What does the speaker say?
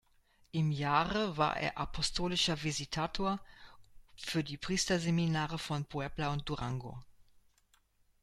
Im Jahre war er Apostolischer Visitator für die Priesterseminare von Puebla und Durango.